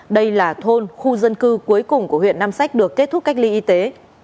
đây là thôn khu dân cư cuối cùng của huyện nam sách được kết thúc cách ly y tế